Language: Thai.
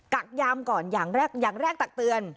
ักยามก่อนอย่างแรกอย่างแรกตักเตือน